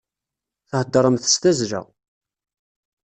Theddṛemt s tazzla.